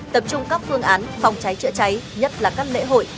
tập trung các phương án phòng cháy chữa cháy nhất là các lễ hội